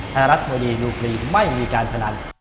ไทยรัฐทีวีดูฟรีไม่มีการพนัน